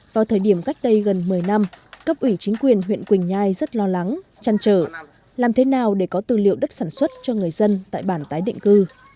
vào thời điểm cách đây gần một mươi năm cấp ủy chính quyền huyện quỳnh nhai rất lo lắng chăn trở làm thế nào để có tư liệu đất sản xuất cho người dân tại bản tái định cư